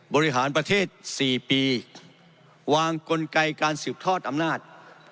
บริหารประเทศ๔ปีวางกลไกการสืบทอดอำนาจ